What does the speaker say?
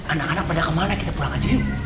anak anak pada kemana kita pulang aja yuk